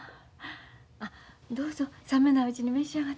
あどうぞ冷めないうちに召し上がってください。